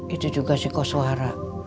itu juga psikosoara